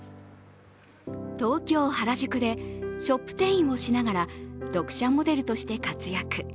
東京・原宿でショップ店員をしながら読者モデルとして活躍。